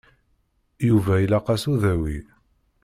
Yuba ilaq-as udawi.